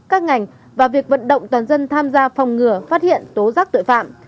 các ngành và việc vận động toàn dân tham gia phòng ngừa phát hiện tố giác tội phạm